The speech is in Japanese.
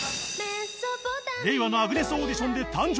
令和のアグネスオーディションで誕生